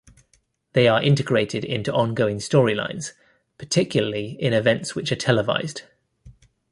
They are integrated into ongoing storylines, particularly in events which are televised.